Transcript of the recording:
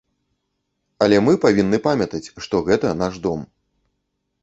Але мы павінны памятаць, што гэта наш дом.